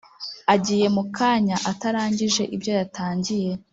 Agiye mukanya atarangije ibyo yatangiye